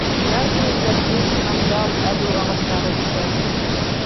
Яр буйында тек, сандал, әлү ағастары үҫә.